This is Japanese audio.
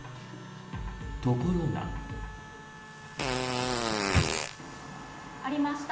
ところが。ありました。